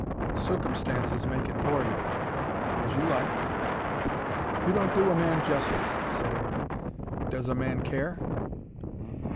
"Circumstances make it for you." "As you like." "You don't do a man justice," said Aaron. "Does a man care?"